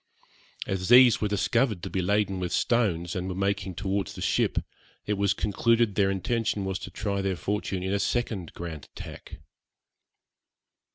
As these were discovered to be laden with stones, and were making towards the ship, it was concluded their intention was to try their fortune in a second grand attack.